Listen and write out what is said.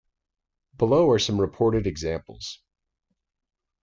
Below are some reported examples.